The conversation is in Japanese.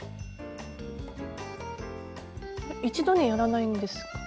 一度にやらないんですか？